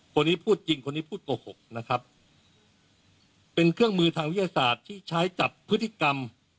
คนนี้พูดจริงคนนี้พูดโกหกนะครับเป็นเครื่องมือทางวิทยาศาสตร์ที่ใช้จับพฤติกรรม